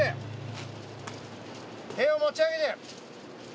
手を持ち上げて。